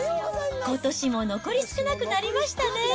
ことしも残り少なくなりましたね。